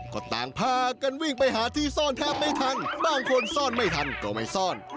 ก็ต่างพากันวิ่งไปหาที่ซ่อนแทบไม่ทันบางคนซ่อนไม่ทันก็ไม่ซ่อน